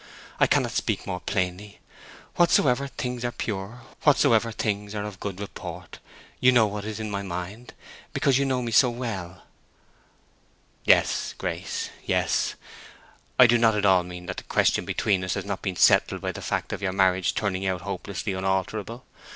I cannot speak more plainly. 'Whatsoever things are pure, whatsoever things are of good report'—you know what is in my mind, because you know me so well." "Yes, Grace, yes. I do not at all mean that the question between us has not been settled by the fact of your marriage turning out hopelessly unalterable.